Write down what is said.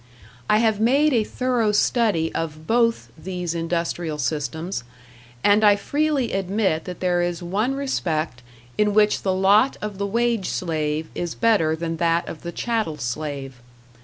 I have made a thorough study of both these industrial systems, and I freely admit that there is one respect in which the lot of the wage slave is better than that of the chattel slave.